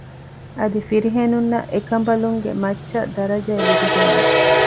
އަދި ފިރިހެނުންނަށް އެކަންބަލުންގެ މައްޗަށް ދަރަޖައެއް ލިބިގެންވެ